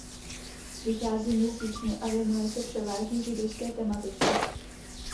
Vychází měsíčně a věnuje se převážně židovské tematice.